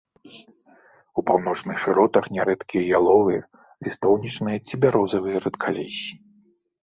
У паўночных шыротах нярэдкія яловыя, лістоўнічныя ці бярозавыя рэдкалессі.